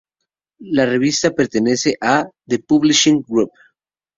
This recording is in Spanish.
La revista pertenece a "The Publishing Group".